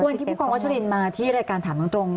ด้วยว่างที่ผู้กรงวชลินมาที่รายการถามตรง